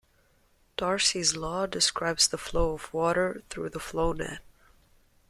Darcy's law describes the flow of water through the flownet.